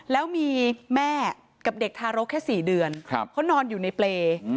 แล้วมีแม่กับเด็กทารกแค่๔เดือนเขานอนอยู่ในเปรย์